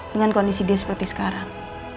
dengan kondisi dia seperti sekarang